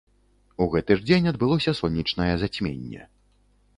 У гэты ж дзень адбылося сонечнае зацьменне.